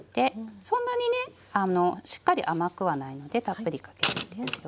そんなにねしっかり甘くはないのでたっぷりかけていいですよ。